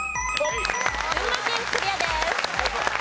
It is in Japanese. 群馬県クリアです。